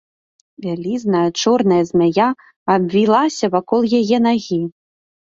Вялізная чорная змяя абвілася вакол яе нагі.